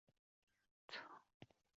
曾自组燕鸣社。